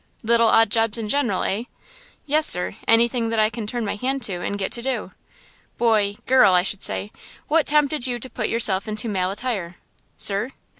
"Little odd jobs in general, eh?" "Yes, sir, anything that I can turn my hand to and get to do." "Boy–girl, I should say–what tempted you to put yourself into male attire?" "Sir?"